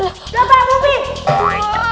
lagi akan telah terjunnya